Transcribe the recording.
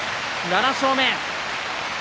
７勝目。